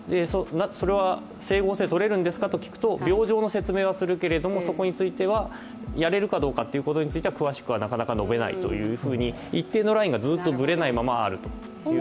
それは整合性とれるんですかと聞くと、病状の説明はするけれども、やれるかどうかについては詳しくはなかなか述べないというふうに一定のラインがなかなかぶれないままという感じでした。